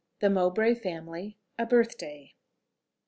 THE MOWBRAY FAMILY. A BIRTHDAY.